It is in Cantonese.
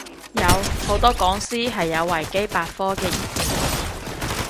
有，好多講師係有維基百科嘅頁面